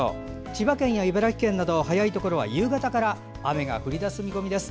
千葉県や茨城県など早いところは夕方から雨が降り出す見込みです。